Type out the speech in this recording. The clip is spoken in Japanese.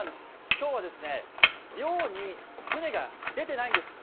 今日は漁に船が出ていないんです。